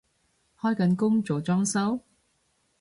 開緊工做裝修？